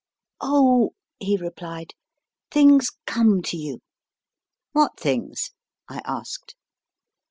Oh, he replied, things come to you. What things ? I asked.